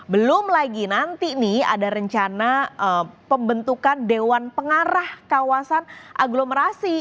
belum lagi nanti nih ada rencana pembentukan dewan pengarah kawasan aglomerasi